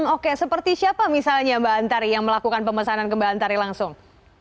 oke seperti siapa misalnya mbak antari yang melakukan pemesanan ke mbak antari langsung